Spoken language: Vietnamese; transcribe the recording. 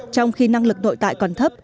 trong khi năng lực nội tại còn thấp